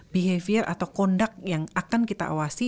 behavior atau conduct yang akan kita awasi